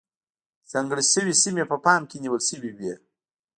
ځانګړې شوې سیمې په پام کې نیول شوې وې.